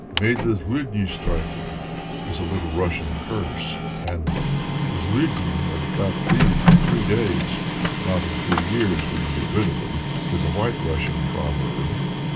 "May the Zluidni strike him!" is a Little Russian curse, and "The Zluidni have got leave for three days; not in three years will you get rid of them!" is a White Russian proverb.